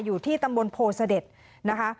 อยู่ที่ตำบลโพเสด็จนะคะ